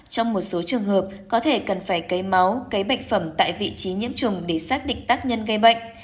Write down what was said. trong một số trường hợp có thể cần phải cấy máu cấy bệnh phẩm tại vị trí nhiễm trùng để xác định tác nhân gây bệnh